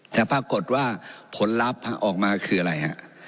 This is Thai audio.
แต่ปรากฏว่าผลลัพธ์ออกมาคืออะไรฮะ